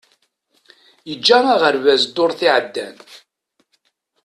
Iǧǧa aɣerbaz ddurt iεeddan.